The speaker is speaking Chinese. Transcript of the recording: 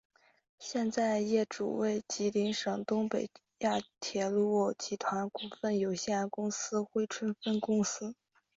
现在业主为吉林省东北亚铁路集团股份有限公司珲春分公司。